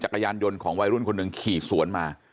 จักรยานยนต์ของวัยรุ่นคนหนึ่งขี่สวนมา